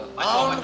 apaan eh loh